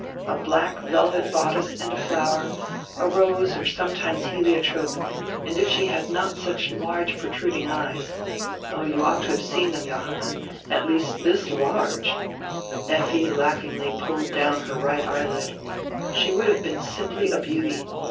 A black velvet bodice and a flower, a rose or sometimes heliotrope, and if she had not had such large protruding eyes — Oh you ought to have seen them, Johanna, at least this large —" Effi laughingly pulled down her right eye lid — "she would have been simply a beauty.